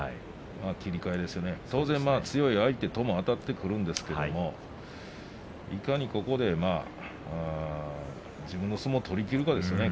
当然、強い相手とあたってくるんですけれどもいかに、ここで自分の相撲を取りきるかですね。